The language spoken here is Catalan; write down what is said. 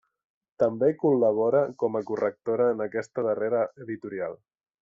També col·labora com a correctora en aquesta darrera editorial.